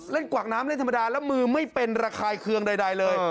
กวากน้ำเล่นธรรมดาแล้วมือไม่เป็นระคายเคืองใดเลย